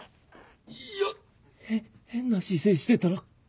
いや変な姿勢してたら腰が。